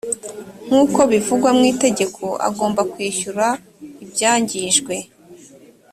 nkuko bivugwa mwitegeko agomba kwishyura ibyangijwe